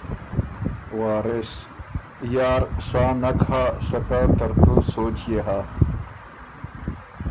وارث: یار سا نک هۀ سکه ترتُو سوچ يې هۀ۔